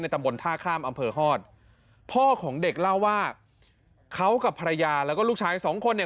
ตำบลท่าข้ามอำเภอฮอตพ่อของเด็กเล่าว่าเขากับภรรยาแล้วก็ลูกชายสองคนเนี่ย